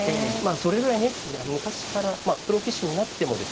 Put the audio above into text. あそれぐらいね昔からプロ棋士になってもですね